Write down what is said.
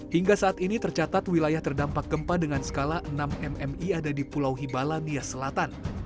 hingga saat ini tercatat wilayah terdampak gempa dengan skala enam mmi ada di pulau hibala nia selatan